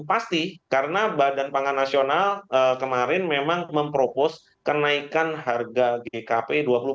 pasti karena badan pangan nasional kemarin memang mempropos kenaikan harga gkp dua puluh